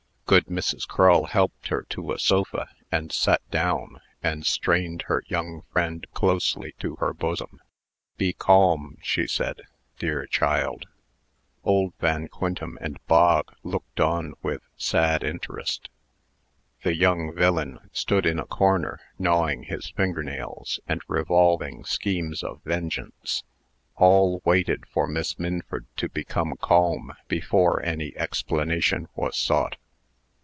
Good Mrs. Crull helped her to a sofa, and sat down, and strained her young friend closely to her bosom, "Be calm," said she, "dear child!" Old Van Quintem and Bog looked on with sad interest. The young villain stood in a corner, gnawing his finger nails, and revolving schemes of vengeance. All waited for Miss Minford to become calm before any explanation was sought.